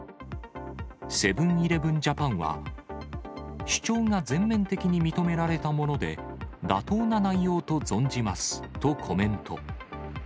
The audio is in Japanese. セブン−イレブン・ジャパンは、主張が全面的に認められたもので、妥当な内容と存じますとコメント。